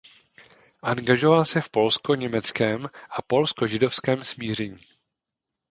Angažoval se v polsko–německém a polsko–židovském smíření.